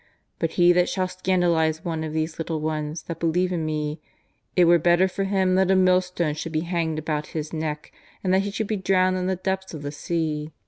But he that shall scandalise one of these little ones that believe in Me, it were better for him that a millstone should be hanged about his neck and that he should be drowned in the depth of the sea.